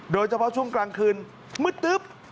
โดยเฉพาะช่วงกลางคืนมืดตึ๊บ